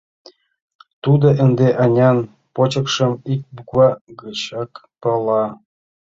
Тудо ынде Анян почеркшым ик буква гычак пала.